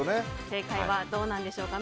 正解はどうなんでしょうか。